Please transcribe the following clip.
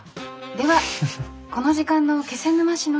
ではこの時間の気仙沼市の。